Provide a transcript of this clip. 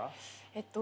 えっと